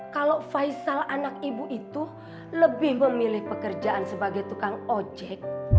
kalau faisal anak ibu itu lebih memilih pekerjaan sebagai tukang ojek